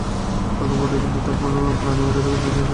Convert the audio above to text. তাতো বটেই, কিন্তু কারো প্রাণে বেঁচে থাকার নিশ্চয়তা দিতে পারছি না!